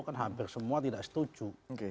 kan hampir semua tidak setuju